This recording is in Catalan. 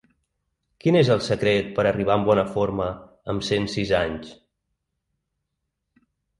Quin és el secret per arribar amb bona forma amb cent sis anys?